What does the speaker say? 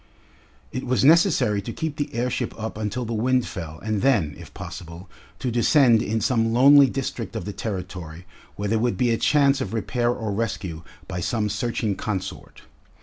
It was necessary to keep the airship up until the wind fell and then, if possible, to descend in some lonely district of the Territory where there would be a chance of repair or rescue by some searching consort.